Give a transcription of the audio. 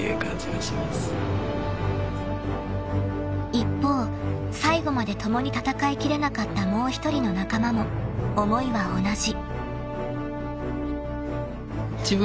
［一方最後まで共に戦いきれなかったもう一人の仲間も思いは同じ］